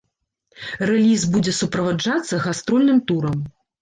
Рэліз будзе суправаджацца гастрольным турам.